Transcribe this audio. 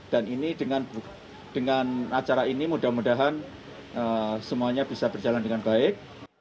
dan dengan acara ini mudah mudahan semuanya bisa berjalan dengan baik